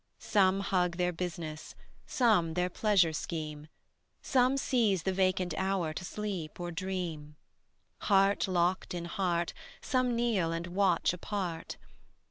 Some hug their business, some their pleasure scheme; Some seize the vacant hour to sleep or dream; Heart locked in heart some kneel and watch apart.